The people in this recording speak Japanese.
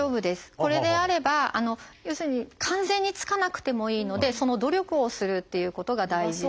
これであれば要するに完全につかなくてもいいのでその努力をするっていうことが大事で。